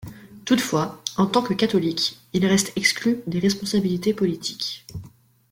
Toutefois, en tant que catholique, il reste exclu des responsabilités politiques.